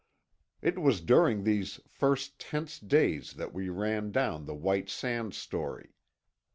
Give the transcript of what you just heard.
It was during these first tense days that we ran down the White Sands story.